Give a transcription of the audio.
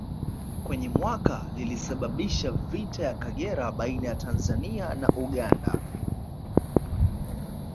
Kwenye mwaka lilisababisha vita ya Kagera baina ya Tanzania na Uganda